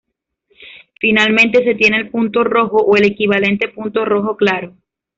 Finalmente se tiene el punto rojo o el equivalente punto rojo claro.